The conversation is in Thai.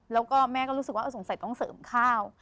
แล้วก็แม่ก็รู้สึกว่าสงสัยต้องเสริมข้าว